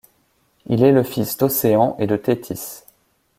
Il est le fils d'Océan et de Téthys.